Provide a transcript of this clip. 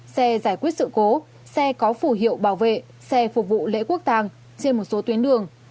xe giải quyết sự cố xe có phủ hiệu bảo vệ xe phục vụ lễ quốc tàng trên một số tuyến đường